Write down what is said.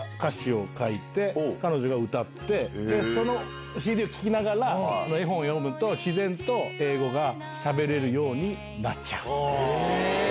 そのＣＤを聴きながら絵本を読むと自然と英語がしゃべれるようになっちゃう。